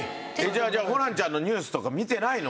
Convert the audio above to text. じゃあじゃあホランちゃんのニュースとか見てないの？